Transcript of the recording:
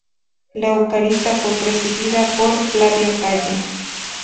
La Eucaristía fue presidida por Flavio Calle.